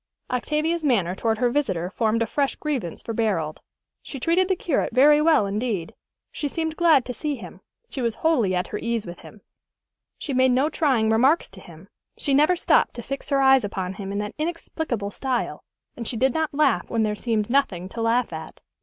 Octavia's manner toward her visitor formed a fresh grievance for Barold. She treated the curate very well indeed. She seemed glad to see him, she was wholly at her ease with him, she made no trying remarks to him, she never stopped to fix her eyes upon him in that inexplicable style, and she did not laugh when there seemed nothing to laugh at.